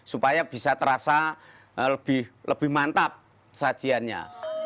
supaya bisa terasa lebih mantap sajiannya